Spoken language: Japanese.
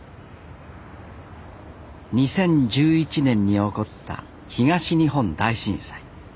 ２０１１年に起こった東日本大震災。